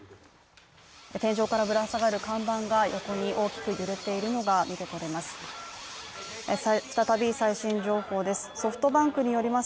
天井からぶら下がる看板は横に大きく揺れているのが見てとれます。